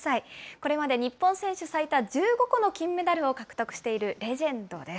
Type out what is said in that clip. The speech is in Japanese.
これまで日本選手最多１５個の金メダルを獲得している、レジェンドです。